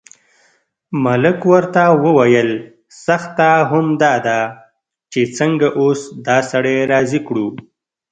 ملک ورته وویل سخته همدا ده چې څنګه اوس دا سړی راضي کړو.